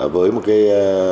với một cái